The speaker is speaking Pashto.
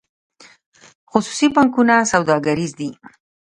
خصوصي بانکونه سوداګریز دي